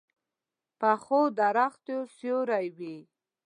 پخو درختو سیوری وي